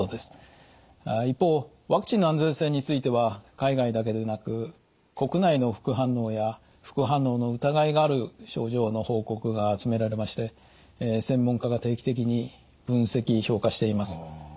一方ワクチンの安全性については海外だけでなく国内の副反応や副反応の疑いがある症状の報告が集められまして専門家が定期的に分析・評価しています。